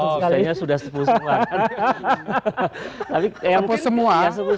sebenarnya sudah sepuluh semua kan